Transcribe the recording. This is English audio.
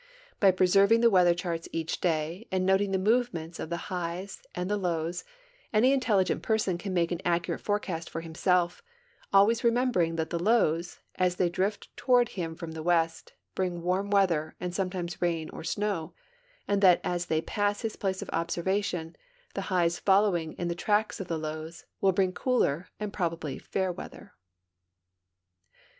By preserving the weather charts each day and noting the movements of the highs and the lows, any intelligent person can make an accurate forecast for hiinself, always re membering that the lows, as they drift toward him from the west, bring warm weather and sometimes rain or snow, and that as they pass his place of observation the highs following in the tracks of the lows will bring cooler and probably fair weather.